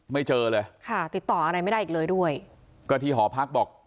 เจอเลยค่ะติดต่ออะไรไม่ได้อีกเลยด้วยก็ที่หอพักบอก